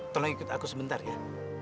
tolong ikut aku sebentar ya